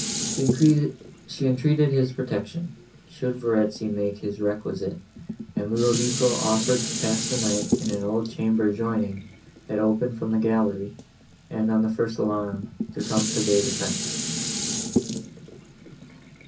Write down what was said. She entreated his protection, should Verezzi make this requisite; and Ludovico offered to pass the night in an old chamber, adjoining, that opened from the gallery, and, on the first alarm, to come to their defence.